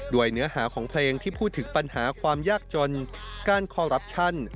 เนื้อหาของเพลงที่พูดถึงปัญหาความยากจนการคอรัปชั่น